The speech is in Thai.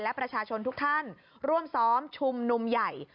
และประชาชนทุกท่านร่วมซ้อมชุมนุมใหญ่